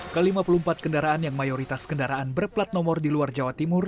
ke lima puluh empat kendaraan yang mayoritas kendaraan berplat nomor di luar jawa timur